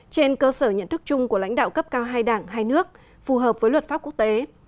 trên cơ sở nhận thức chung của lãnh đạo cấp cao hai đảng hai nước phù hợp với luật pháp quốc tế